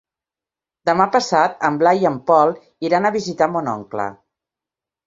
Demà passat en Blai i en Pol iran a visitar mon oncle.